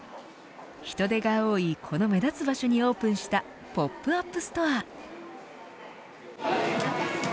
人出が多いこの目立つ場所にオープンしたポップアップストア。